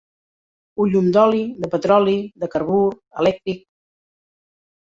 Un llum d'oli, de petroli, de carbur, elèctric.